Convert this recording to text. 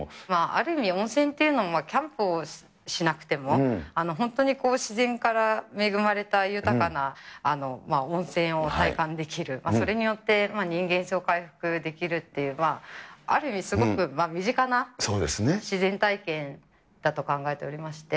ある意味、温泉というのもキャンプをしなくても、本当に自然から恵まれた豊かな温泉を体感できる、それによって人間性を回復できるという、ある意味、すごく身近な自然体験だと考えておりまして。